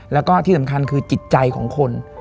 แล้วก็ที่สำคัญคือจิตใจของคน